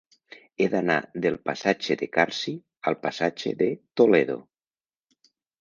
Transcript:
He d'anar del passatge de Carsi al passatge de Toledo.